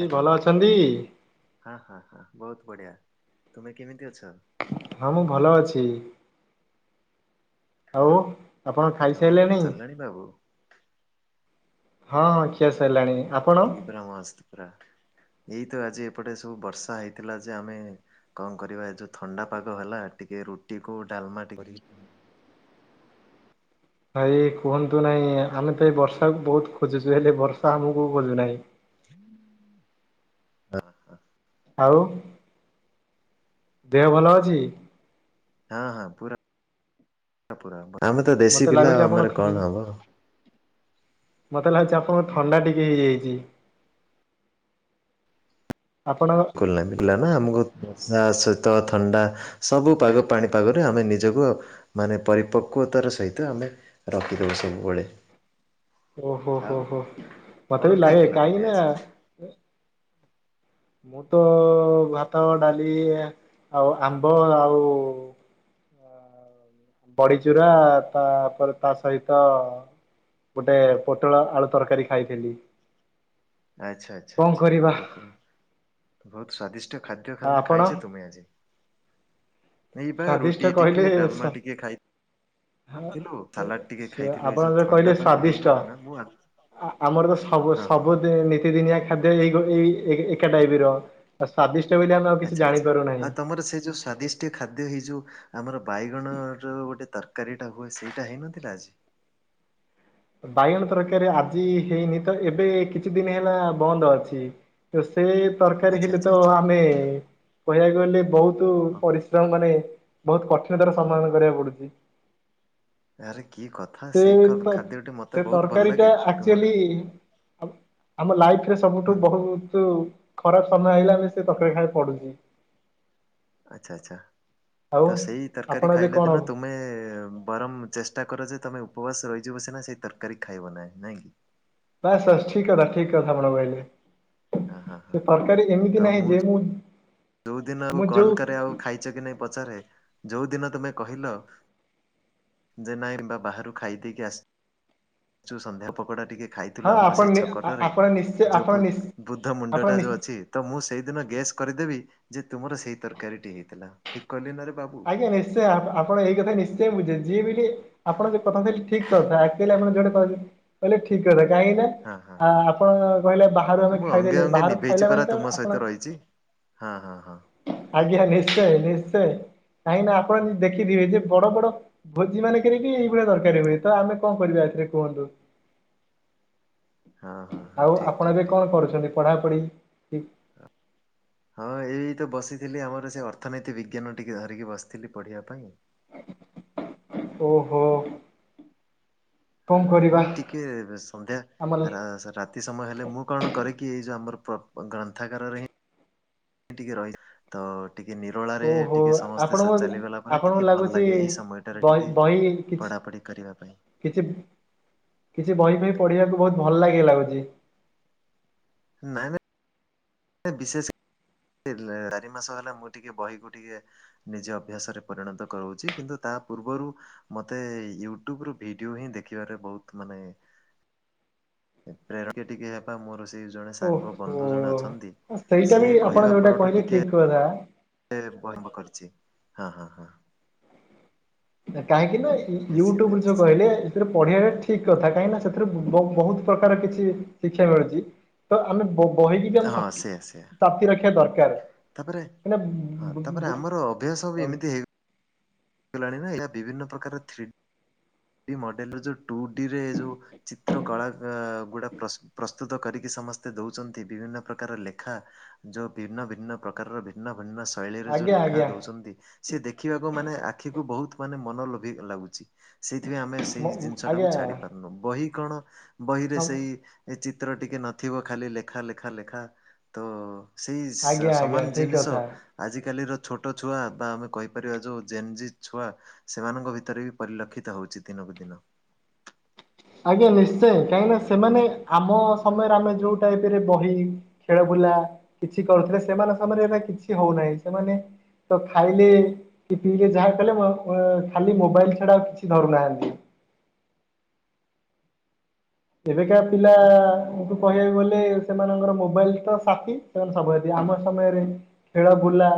କି ଭଲ ଅଛନ୍ତି? ହଁ ହଁ ହଁ ବହୁତ ବଢ଼ିଆ ତୁମେ କେମିତି ଅଛ? ହଁ ମୁଁ ଭଲ ଅଛି ଆଉ। ଆପଣ ଖାଇ ଆଉ ସାରିଲେଣି? ସରିଲାଣି ବାବୁ ହଁ ହଁ ଖିଆ ସରିଲାଣି। ଆପଣ? ଟିକେ ପୁରା ମସ୍ତ ପୁରା ଏଇତ ଆଜି ଏପଟେ ସବୁ ବର୍ଷା ହେଇଥିଲା ଯେ ଆମେ କଣ କରିବା ଏ ଯୋଉ ଥଣ୍ଡା ପାଗ ହେଲା ଟିକେ ରୁଟିକୁ ଡାଲମାଟେ କରିକି ଭାଇ କୁହନ୍ତୁ ନାହିଁ ଆମେ ତ ଏଇ ବର୍ଷାକୁ ବହୁତ ଖୋଜୁଛୁ ହେଲେ ବର୍ଷା ଆମକୁ ଖୋଜୁନାହିଁ। [inaudible] ହଁ ହଁ। ଆଉ ଦେହ ଭଲ ଅଛି? ହଁ ହଁ ପୁରା ପୁରା ଆମେ ତ ମତେ ଦେଶୀ ପିଲା ଲାଗୁଛି ଆଉ ଆପଣ ଆମର ଥନ୍ କଣ ହବ। ମତେ ଲାଗୁଛି ଆପଣଙ୍କୁ ଥଣ୍ଡା ଟିକେ ହେଇଯାଇଛି। ଆପଣଙ୍କ [inaudible] ପିଲାନା ଆମକୁ ବର୍ଷା ଶହିତ ଥଣ୍ଡା ସବୁ ପାଗ ପାଣି ପାଗରେ ଆମେ ନିଜକୁ ମାନେ ପରିପକ୍ୱତାର ସହିତ ଆମେ ରଖିଦବୁ ସବୁବେଳେ। ଓହୋ ହୋ ଆଉ ହୋ। ମତେ ବି କଣ ଲାଗେ ଖାଇଥିଲ କାହିଁକି ତୁମେ ନା ଆଜି? ମୁଁ ତ ଭାତ, ଡାଲି ଆଉ, ଆମ୍ବ ଆଉ ବଡି ଚୁରା, ତାପରେ ତା ସହିତ ଗୋଟେ ପୋଟଳ ଆଳୁ ତରକାରୀ ଖାଇଥିଲି। ଆଚ୍ଛା, ଆଚ୍ଛା, କଣ ଆଚ୍ଛା, କରିବା ଓହୋ, ବହୁତ ସ୍ଵାଦିଷ୍ଟ ଷ୍ଟ ଖାଦ୍ୟ ତାହାଲେ ଆପଣ ଖାଇଛ ତୁମେ ଆଜି। ଏଇ ବା ରୁଟି ସ୍ୱାଦିଷ୍ଟ କହିଲେ ଟିକେ ଡାଲମା ସ ଟିକେ ଖାଇଥିଲୁ ସାଲାଡ ହ ଟିକେ ଶୁଆ ଖାଇଥିଲୁ ଏଇ ଆପଣଙ୍କ ଯୋଉ ଜଉ ଥଣ୍ଡା କହିଲେ ପାଗ ସ୍ଵାଦିଷ୍ଟ ହେଇଗଲା ନା ମୁଁ ଆ ଆମର ତ ସବୁ, ହଁ ହଁ ସବୁ ନିତିଦିନିଆ, ଖାଦ୍ୟ ଏଇ, ଏଇ, ଏକା ଟାଇପ ର। ଆ ସ୍ଵାଦିଷ୍ଟ ବୋଲି ଆମେ ଆଉ କିଛି ଜାଣିପାରୁନାହିଁ। ଆମର ସେ ଯଉ ସ୍ଵାଦିଷ୍ଟି ଖାଦ୍ୟ ହେଇ ଯେଉଁ ଆମର ବାଇଗଣର ଗୋଟେ ତରକାରୀଟା ହୁଏ, ସେଇଟା ହେଇନଥିଲା ଆଜି। ବାଇଗଣ ତରକାରୀ ଆଜି ହେଇନି ତ। ଏବେ କିଛି ଦିନ ହେଲା ବନ୍ଦ ଅଛି। ତ, ସେ ତରକାରୀ ଆଚ୍ଛା ହେଲେ ଆଚ୍ଛା ତ ଆଚ୍ଛା ଆମେ କହିବାକୁ ଗଲେ ବହୁତ ତୁ ଓହୋ। ପରିଶ୍ରମ ମାନେ, ବହୁତ କଠିନତାର ସମଧନ କରିବାକୁ ପଡୁଛି। ଆରେ କି କଥା ସେ ସେଇ ଖା- ତ, ଖାଦ୍ୟଟି ମତେ ସେ ବହୁତ ଭଲ ତରକାରୀଟା ଲାଗେ ତୁମର ଆକ୍ଚୁଆଲି ଆମ ଲାଇଫ ରେ ସବୁଠୁ ହଁ। ବହୁତୁ। ଖରାପ ସମୟ ଆଇଲେ, ଆମେ ସେ ତରରୀ ଖାଇବାକୁ ପଡୁଛି। ଆଚ୍ଛା, ଆଛା, ଆଉ ତ ସେଇ ଆପଣ ତରକାରୀ ଏବେ ଖାଇଲା କଣ ଦିନ ହବ? ତୁମେ ବରମ ଚେଷ୍ଟା କର ଯେ, ତମେ ଉପବାସ ରହିଯିବ ସିନା, ସେଇ ତରକାରୀ ଖାଇବ ନାହିଁ, ନାଇଁ କି। ବାସ୍ ବାସ୍ ଠିକ କଥା, ଠିକ କଥା ଆପଣ କହିଲେ। ହଁ ହଁ ହଁ। ସେ ତରକାରୀ ଏମିତି ନାହିଁ ଯେ ମୁଁ। ଯୋଉ ଦିନ ମୁଁ କଲ୍ କରେ, ଆଉ ଖାଇଛ କି ନାଇଁ ପଚାରେ, ଯୋଉ ଦିନ ତୁମେ କହିଲ। ଯେ ନାଇଁ ବା ବାହାରୁ ଖାଇ ଦେଇକି ଆସି ଚୁ ସନ୍ଧ୍ୟା ପକୋଡା ଟିକେ ହଁ ଖାଇଥିଲୁ ଆମର ଆପଣ ସେଇ ନି ଆ ଛକଟାରେ, ଆପଣ ନିଶ୍ଚୟ ଯୋଉ ଆପଣ ନି ବୁଦ୍ଧ, ବୁଦ୍ଧ ମୁଣ୍ଡ ଆପଣ ଟା ନି ଯୋଉ ଅଛି। ତ ମୁଁ ସେଇଦିନ ଗେସ୍ କରିଦେବି, ଯେ ତୁମର ସେଇ ଦିନ ତରକାରୀଟି ହେଇଥିଲା। ଠିକ୍ କହିଲି ନାରେ ବାବୁ। ଆଜ୍ଞା ନିଶ୍ଚୟ, ଆପ ଆପଣ ଏଇ କଥା ନିଶ୍ଚୟ ବୁଝିବେ ଯିଏ ବିଲି। ଆପଣ, ଯୋଉ କଥା କହିଲେ ଠିକ କଥା, ଆକଚୁଆଲି ଆପଣ ଯୋଉଟା କହିଲେ ଠିକ କଥା କାହିଁକି ନା। ହଁ ହଁ ଆ, ଆପଣ କହିଲେ ବାହାରୁ ଆମେ ହଁ ମୁଁ ଅଙ୍ଗେ ଖାଇଦେଲେ ଅଙ୍ଗେ ବାହାରୁ ଖାଇଲା ମାନ ତ ଆପଣ। ହାଁ, ହଁ, ହଁ। ଆଜ୍ଞା, ନିଶ୍ଚୟ, ନିଶ୍ଚୟ କାହିଁକ ନା ଆପଣ ଦେଖିଥିବେ ଯେ ବଡ, ବଡ। ଭୋଜି ମାନେଙ୍କ ବି ଏଇଭଳିଆ ତରକାରୀ ହୁଏ, ଆମେ କଣ କରିବା ଏଥିରେ କୁହନ୍ତୁ। ହଁ ହଁ ହଁ ଆଉ, ଠିକ ଆପଣ ଠିକ ଏବେ ଠିକ କଣ କରୁଛନ୍ତି, ପଢାପଢି କି ହଁ, ଏଇ ତ ବସିଥିଲି, ଆମର ସେ ଅର୍ଥନୀତି ବିଜ୍ଞାନ ଟିକେ ଧରିକି ବସିଥିଲି ପଢ଼ିବା ପାଇଁ। ଓହୋ। ହାଁ କଣ ହାଁ କରିବା ଏଇ ଟିକେ ଏବେ ସନ୍ଧ୍ୟା ଆମର ରା ରାତି ସମୟ ହେଲେ, ମୁଁ କଣ କରରେ କି ଏଇ ଯୋଉ ଆମର ପ୍ର ଗ୍ରନ୍ଥଗାର ରେ ହିଁ। ଟିକେ ରହିଯାଏ ତ। ଟିକେ ନିରଳାରେ, ଓହୋ ଟିକେ ସମସ୍ତେ ସ ଆପଣଙ୍କୁ ଚାଲିଗଲା ପରେ, ଆପଣଙ୍କୁ ଟିକେ ଭଲ ଲାଗୁଛି ଲାଗେ, ଏଇ ସମୟଟାରେ ବହି ଟିକେ ବହି କିଛି ପଢାପଢି। କରିବା ପାଇଁ। କିଛି, କିଛି ବହି ଫଇ ପଢ଼ିବାକୁ ବହୁତ ଭଲ ଲାଗେ, ଲାଗୁଛି। ନାଇଁ, ନାଇଁ, ବିଶେଷ। ଲି ଚାରି ମାସ ହେଲା ମୁଁ ଟିକେ ବହିକୁ ଟିକେ। ନିଜ ଅଭ୍ୟାସରେ ପରିଣତ କରାଉଛି, କିନ୍ତୁ ତା ପୂର୍ବରୁ। ମତେ ୟୁଟ୍ୟୁବ ରୁ ଭିଡିଓ ହିଁ ଦେଖିବାରେ ବହୁତ ମାନେ। ଏ ପ୍ରେର କ ଟିକେ। ବା ମୋର ସେଇ ଜଣେ ସାଙ୍ଗ ଓହୋ ବନ୍ଧୁ ଜଣେ ଅଛନ୍ତି, ସେଇଟା ବି ସିଏ ଆପଣ କହିବା ଯୋଉଟା ପରଠୁ ଟିକେ। [unintelligible] ଫେରେ ମୁଁ ବସି ଆରମ୍ଭ କରିଛି ହାଁ, ହାଁ, ହାଁ କାହିଁକି ନା ଇ ୟୁଟ୍ୟୁବ ନିଶ୍ଚିନ୍ତ ରୁ ଯୋଉ ନିଶ୍ଚିନ୍ତ କହିଲେ। ସେଥିରୁ ପଢିବା ଟା ଠିକ କଥା କାହିଁକି ନା ସେଥିରେ ବ ବହୁତ ପ୍ରକାର କିଛି ଶିକ୍ଷା ମିଳୁଛି। ତ ଆମେ ବ ବହିକି ବି ଆମେ ହଁ ସା‌ଥି ସେୟା ସେୟା ସାଥି ରଖିବା ଦରକାର। ତାପରେ କାହିଁକିନା ହଁ ତାପରେ ଆମର ଅଭ୍ୟାସ ବି ଏମିତି। ହେଲାଣି ନା ଏହା ବିଭିନ୍ନ ପ୍ରକାର ଥ୍ରୀ ଡି ମଡେଲ ଯୋଉ ଟୁ ଡି ରେ ଯୋଉ। ଚିତ୍ର କଳା ଆ‌ ଗୁଡା ପ୍ର ପ୍ରସ୍ତୁତ କରିକି ସମସ୍ତେ ଦଉଛନ୍ତି ବିଭିନ୍ନ ପ୍ରକାର ଲେଖା। ଯୋଉ ଭିନ୍ନ ଭିନ୍ନ ପ୍ରକାରର ଭିନ୍ନ ଭିନ୍ନ ସ୍ ଶୈଳି ରେ ଯୋଉ ଆଜ୍ଞା ଲେଖା ଆଜ୍ଞା ଦଉଛନ୍ତି ସିଏ ଦେଖିବାକୁ ମାନେ ଆ ଆଖିକୁ ବହୁତ ମାନେ ମନ ଲୋଭି ଲାଗୁଛି ସେଇଥିପାଇଁ ଆମେ ସେଇ ମ- ଜିନିଷ ଟାକୁ ଆଜ୍ଞା ଛାଡି ପାରୁନୁ ବହି। ରେ କଣ ବହିରେ ହଁ ସେଇ। ଏ ଚିତ୍ର ଟିକିଏ ନଥିବ ଖାଲି ଲେଖା ଲେଖା ଲେଖା ତ ସେଇ ଆଜ୍ଞା ଆଜ୍ଞା ସମାନ ଠିକ ଜିନିଷ କଥା ଆଜିକାଲିର ଛୋଟ ଛୁଆ ବା ଆମେ କହିପାରିବା ଯୋଉ ଜେନ୍ଜି ଛୁଆ ସେମାନଙ୍କ ଭିତରେ ବି ପରିଲକ୍ଷିତ ହଉଛି ଦିନକୁ ଦିନ। ଆଜ୍ଞା ନିଶ୍ଚୟ କାହିଁକିନା ସେମାନେ ଆମ ହଁ। ସମୟରେ ଆମେ ଯୋଉଟାଇ ବହି ଖେଳ ବୁଲା କିଛି କରୁଥିଲେ ସେମାନଙ୍କ ସମୟରେ ଏ କିଛି ହଉନାହିଁ ସେମାନେ ତ ଖାଇଲେ କି ପିଇଲେ ଯାହା କଲେ ଖାଲି ମୋବାଇଲ ଛଡା ଆଉ କିଛି ଧରୁନାହାନ୍ତି। ଏବେକା ପିଲାଙ୍କୁ କହିବାକୁ ଗଲେ ସେମାନଙ୍କର ମୋବାଇଲ ତ ସାଥିୀ। ସେମାନେ ସବୁ ଆମ ସମୟରେ ଖେଳ ବୁଲା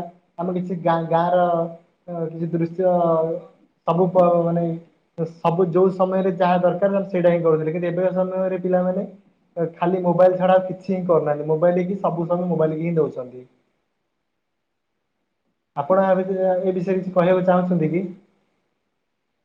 ଆମେ କିଛି ଗାଁ ଗାଁ ର ଅ କିଛି ଦୃଶ୍ୟ ସବୁ ମାନେ ସବୁ ଯୋଉ ସମୟରେ ଯାହା ଦରକାର ସେଇଟା ହିଁ କରୁଥିଲେ କିନ୍ତୁ ଏବେ ସମୟରେ ପିଲାମାନେ ଖାଲି ମୋବାଇଲ ଛଡା କିଛି ହିଁ କରୁନାହାନ୍ତି ମୋବାଇଲି ସବୁ ସବୁ ମୋବାଇଲ ହିଁ ଦଉଛନ୍ତି। ଆପଣ ଏ ଏ ବିଷୟରେ କିଛି କହିବାକୁ ଚାହୁଁଛନ୍ତି କି?